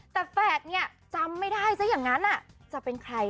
แต่แฝดเนี่ยจำไม่ได้ซะอย่างนั้นจะเป็นใคร